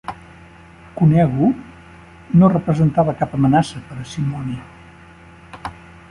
Cunego no representava cap amenaça per a Simoni.